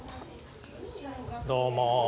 どうも。